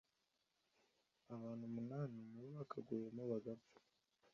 abantu umunani nibo bakaguyemo bagapfa